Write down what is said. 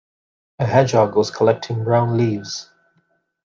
A hedgehog was collecting brown leaves.